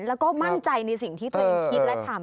แล้วก็มั่นใจในสิ่งที่ตัวเองคิดและทำ